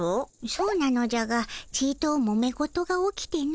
そうなのじゃがちともめ事が起きての。